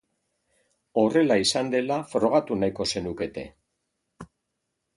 Horrela izan dela frogatu nahiko zenukete.